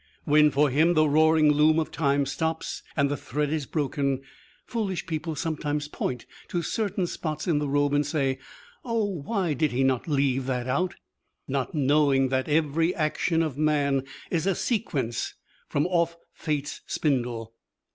When for him the roaring loom of time stops and the thread is broken, foolish people sometimes point to certain spots in the robe and say, "Oh, why did he not leave that out!" not knowing that every action of man is a sequence from off Fate's spindle.